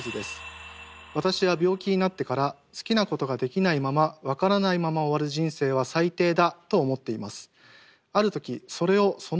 私は病気になってから好きなことができないままわからないまま終わる人生は最低だ！と思っています。